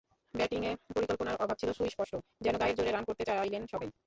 ব্যাটিংয়ে পরিকল্পনার অভাব ছিল সুস্পষ্ট, যেন গায়ের জোরে রান করতে চাইলেন সবাই।